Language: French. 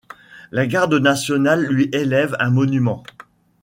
La Garde nationale lui élève un monument.